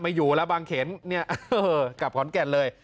ไม่อยู่แล้วบางเขนเนี่ยกลับขอนแก่นเลย